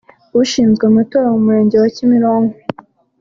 ushinzwe amatora mu murenge wa Kimironko